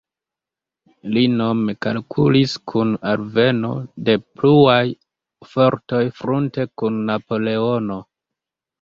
Li nome kalkulis kun alveno de pluaj fortoj frunte kun Napoleono.